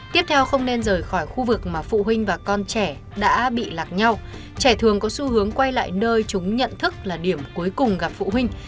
tiếp theo không nên rời khỏi khu vực mà phụ huynh và con trẻ đã bị lạc nhau trẻ thường có xu hướng quay lại nơi chúng nhận thức là điểm cuối cùng gặp phụ huynh